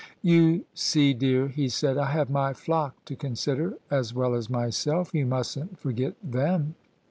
" You see, dear," he said, " I have my flock to consider as well as myself: you mustn't forget them."